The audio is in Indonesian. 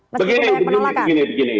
begini begini begini